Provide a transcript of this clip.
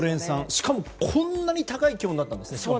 しかも、こんなに多い地点で高い気温だったんですね。